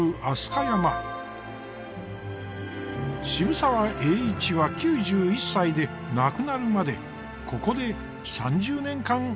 渋沢栄一は９１歳で亡くなるまでここで３０年間暮らしました。